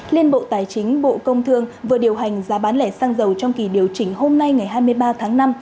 liên bộ tài chính bộ công thương vừa điều hành giá bán lẻ xăng dầu trong kỳ điều chỉnh hôm nay ngày hai mươi ba tháng năm